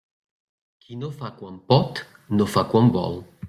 Qui no fa quan pot, no fa quan vol.